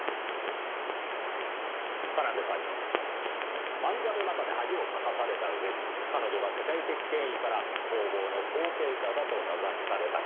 奏さんに満座の中で恥をかかされた上に彼女が世界的権威から工房の後継者だと名指しされた事。